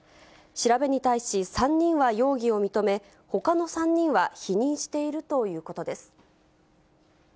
調べに対し、３人は容疑を認め、ほかの３人は否認しているということです。